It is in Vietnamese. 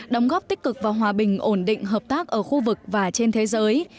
đồng góp tích cực và hòa bình ổn định hợp tác ở khu vực và trên thế giới